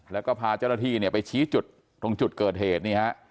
แล้วก็พาเจ้าหน้าที่นี่ฉีดจุดตรงจุดเกิดเหตุ